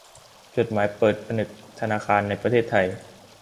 จดหมายเปิดผนึกถึงธนาคารในประเทศไทย